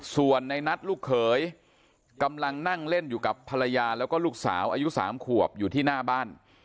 ส่วนในนัทลูกเขยกำลังนั่งเล่นอยู่กับภรรยาแล้วก็ลูกสาวอายุ๓ขวบอยู่ที่หน้าบ้าน